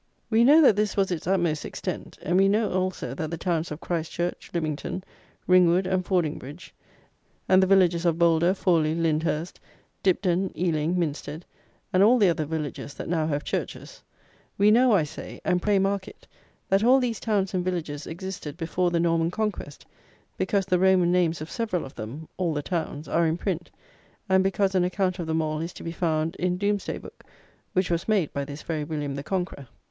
We know that this was its utmost extent; and we know, also, that the towns of Christchurch, Lymington, Ringwood, and Fordingbridge, and the villages of Bolder, Fawley, Lyndhurst, Dipden, Eling, Minsted, and all the other villages that now have churches; we know, I say (and, pray mark it), that all these towns and villages existed before the Norman Conquest: because the Roman names of several of them (all the towns) are in print, and because an account of them all is to be found in Doomsday Book, which was made by this very William the Conqueror.